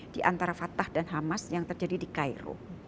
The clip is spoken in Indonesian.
di antara fatah dan hamas yang terjadi di cairo